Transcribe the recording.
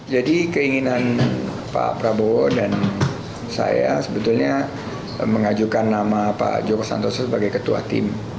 jadi keinginan pak prabowo dan saya sebetulnya mengajukan nama pak joko santoso sebagai ketua tim